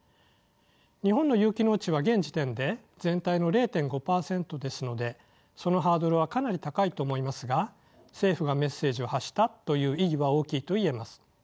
日本の有機農地は現時点で全体の０．５％ですのでそのハードルはかなり高いと思いますが政府がメッセージを発したという意義は大きいと言えます。